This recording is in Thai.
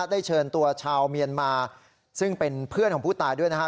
ได้เชิญตัวชาวเมียนมาซึ่งเป็นเพื่อนของผู้ตายด้วยนะฮะ